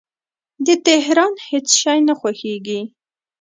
د تهران هیڅ شی نه خوښیږي